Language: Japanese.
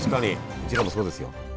うちらもそうですよ。